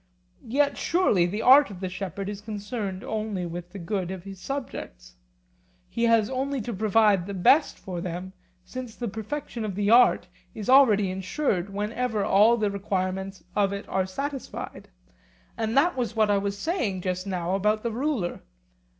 Yet surely the art of the shepherd is concerned only with the good of his subjects; he has only to provide the best for them, since the perfection of the art is already ensured whenever all the requirements of it are satisfied. And that was what I was saying just now about the ruler.